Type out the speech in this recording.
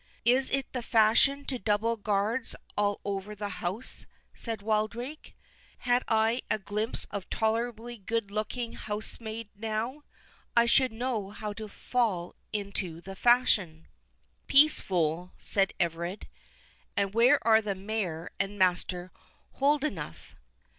"It is the fashion to double guards all over the house," said Wildrake. "Had I a glimpse of a tolerably good looking house maid now, I should know how to fall into the fashion." "Peace, fool!" said Everard.—"And where are the Mayor and Master Holdenough?"